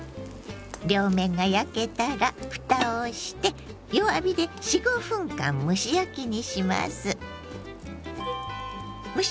両面が焼けたらふたをして弱火で４５分間蒸し焼きにします。